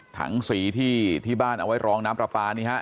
ถังสีที่บ้านเอาไว้รองน้ำปลาปลานี่ฮะ